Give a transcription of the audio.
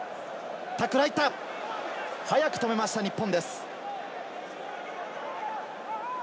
早く止めました、日本です。